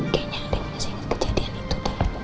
kayanya dia masih inget kejadian itu deh